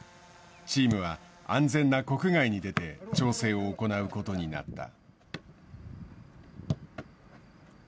チームは安全な国外に出て調整を行うことになった。